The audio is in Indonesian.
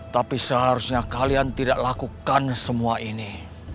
tapi seharusnya kalian tidak lakukan semua ini